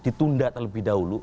ditunda terlebih dahulu